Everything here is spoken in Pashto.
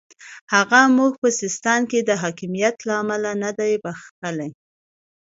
هغه موږ په سیستان کې د حکمیت له امله نه دی بخښلی.